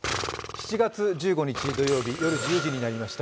７月１５日夜１０時になりました。